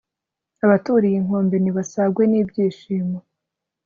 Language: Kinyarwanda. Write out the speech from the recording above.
abaturiye inkombe nibasagwe n'ibyishimo